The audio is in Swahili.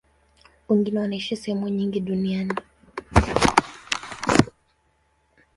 Wengine wanaishi sehemu nyingi duniani.